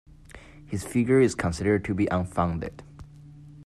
This figure is considered to be unfounded.